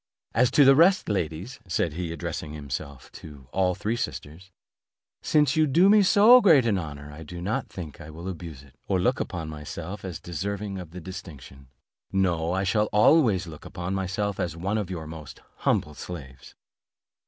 As to the rest, ladies," said he, addressing himself to all the three sisters, "since you do me so great an honour, do not think that I will abuse it, or look upon myself as deserving of the distinction. No, I shall always look upon myself as one of your most humble slaves."